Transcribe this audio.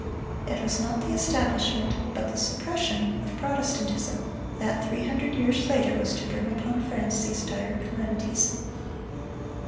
It was not the establishment, but the suppression, of Protestantism, that, three hundred years later, was to bring upon France these dire calamities.